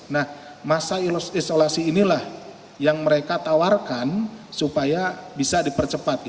nah masa isolasi inilah yang mereka tawarkan supaya bisa dipercepat